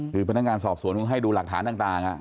คือพนักงานสอบสวนคงให้ดูหลักฐานต่าง